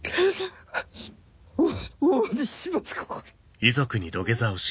おわびしますから。